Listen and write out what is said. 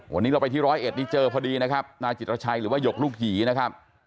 วันนี้เราไปที่ร้อยเอ็ดนี่เจอพอดีนะครับนายจิตรชัยหรือว่าหยกลูกหยีนะครับ